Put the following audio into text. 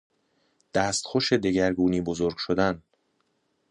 دستخوش دگرگونی بزرگ شدن